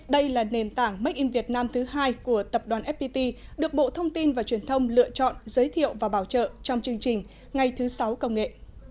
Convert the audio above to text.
đây là nền tảng make in việt nam thứ hai của tập đoàn fpt được bộ thông tin và truyền thông lựa chọn giới thiệu và bảo trợ trong chương trình ngày thứ sáu công nghệ